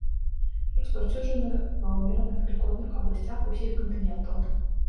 Распаўсюджаны ва ўмераных вільготных абласцях усіх кантынентаў.